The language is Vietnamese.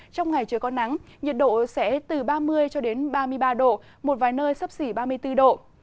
trong ngày trời có nắng nhiệt độ sẽ từ ba mươi cho đến ba mươi ba độ một vài nơi sắp xỉ ba mươi bốn độ